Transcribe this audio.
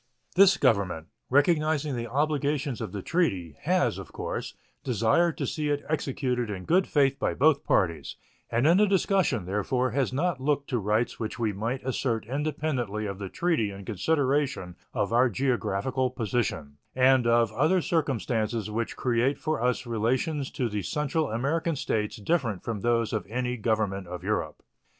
This Government, recognizing the obligations of the treaty, has, of course, desired to see it executed in good faith by both parties, and in the discussion, therefore, has not looked to rights which we might assert independently of the treaty in consideration of our geographical position and of other circumstances which create for us relations to the Central American States different from those of any government of Europe.